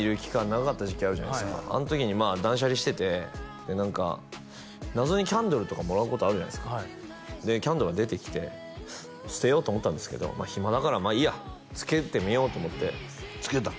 長かった時期あるじゃないですかあの時に断捨離しててで何か謎にキャンドルとかもらうことあるじゃないですかでキャンドルが出てきて捨てようと思ったんですけど暇だからまあいいやつけてみようと思ってつけたん？